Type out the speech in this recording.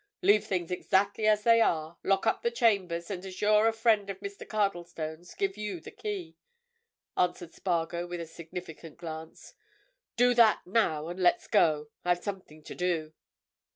"Leave things exactly as they are, lock up the chambers, and as you're a friend of Mr. Cardlestone's give you the key," answered Spargo, with a significant glance. "Do that, now, and let's go—I've something to do."